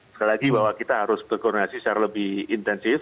sekali lagi bahwa kita harus berkoordinasi secara lebih intensif